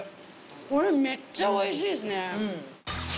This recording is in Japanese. これめっちゃおいしいですね。